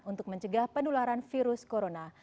untuk mencegah penularan virus corona